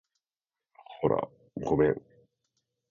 ほら、ごめん